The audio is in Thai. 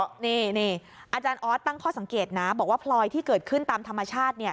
นี่อาจารย์ออสตั้งข้อสังเกตนะบอกว่าพลอยที่เกิดขึ้นตามธรรมชาติ